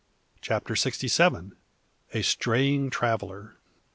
CHAPTER SIXTY SEVEN. A STRAYING TRAVELLER.